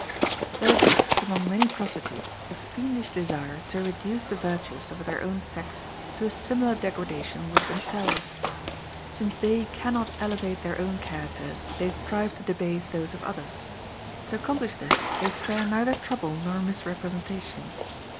There exists among many prostitutes a fiendish desire to reduce the virtuous of their own sex to a similar degradation with themselves. Since they can not elevate their own characters, they strive to debase those of others. To accomplish this, they spare neither trouble nor misrepresentation.